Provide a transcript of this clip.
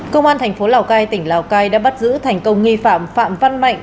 công an thành phố lào cai tỉnh lào cai đã bắt giữ thành công nghi phạm phạm văn mạnh